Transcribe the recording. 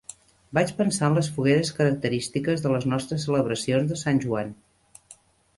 Vaig pensar en les fogueres característiques de les nostres celebracions de Sant Joan.